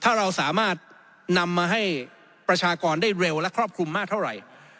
นำมาให้ประชากรได้เร็วและครอบคลุมมากเท่าไหร่